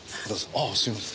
ああすみません。